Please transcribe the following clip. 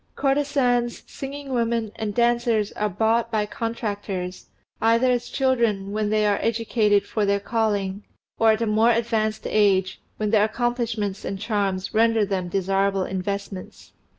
Courtesans, singing women, and dancers are bought by contractors, either as children, when they are educated for their calling, or at a more advanced age, when their accomplishments and charms render them desirable investments.